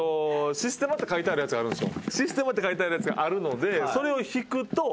「システマ」って書いてあるやつがあるので。